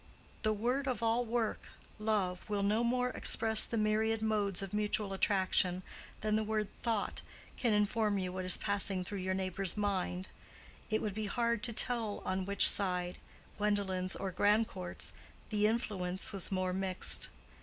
The word of all work, Love, will no more express the myriad modes of mutual attraction, than the word Thought can inform you what is passing through your neighbor's mind. It would be hard to tell on which side—Gwendolen's or Grandcourt's—the influence was more mixed.